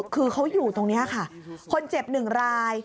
คือเขาอยู่ตรงนี้ค่ะคนเจ็บหนึ่งราย